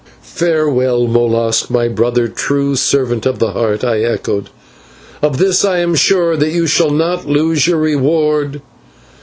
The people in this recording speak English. "Farewell, Molas, my brother, true servant of the Heart," I echoed; "of this I am sure, that you shall not lose your reward."